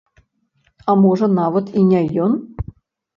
А можа нават і не ён?